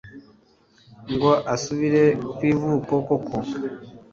ngo asubire kwivuko koko